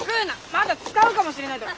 まだ使うかもしれないだろ。